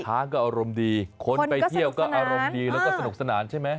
ช้างก็อารมณ์ดีคนไปเที่ยวก็อารมณ์ดีแล้วก็สนุกสนานใช่ไหม